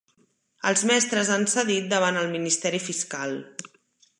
Els mestres han cedit davant el ministeri fiscal